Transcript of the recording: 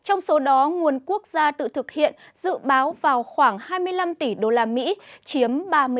trong số đó nguồn quốc gia tự thực hiện dự báo vào khoảng hai mươi năm tỷ usd chiếm ba mươi năm